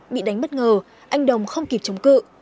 bị đánh bất ngờ anh đồng không kịp chống cự